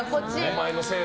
お前のせいで。